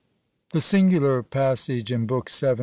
The singular passage in Book vii.